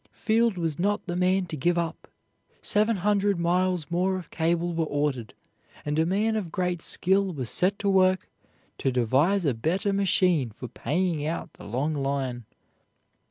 Field was not the man to give up. Seven hundred miles more of cable were ordered, and a man of great skill was set to work to devise a better machine for paying out the long line.